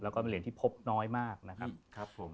แล้วก็เป็นเหรียญที่พบน้อยมากนะครับผม